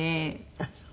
あっそう。